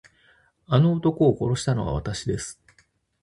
あの男を殺したのはわたしです。